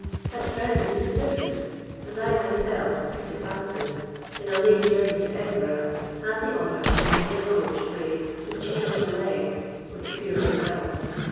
At present it is different; and I myself, Peter Pattieson, in a late journey to Edinburgh, had the honour, in the mail coach phrase to "change a leg" with a peer of the realm.